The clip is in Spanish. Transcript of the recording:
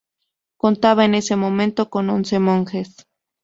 Contaba en ese momento con once monjes.